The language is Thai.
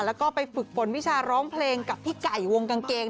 แล้วก็ไปฝึกฝนวิชาร้องเพลงกับพี่ไก่วงกางเกง